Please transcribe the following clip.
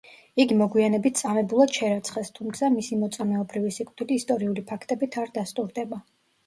იგი მოგვიანებით წამებულად შერაცხეს, თუმცა მისი მოწამეობრივი სიკვდილი ისტორიული ფაქტებით არ დასტურდება.